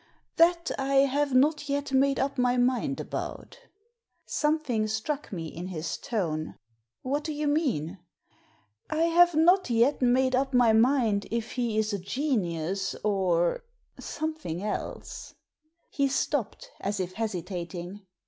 That I have not yet made up my mind about" Something struck me in his tone. " What do you mean ?" "I have not yet made up my mind if he is a genius or — something else." He stopped, as if hesitating.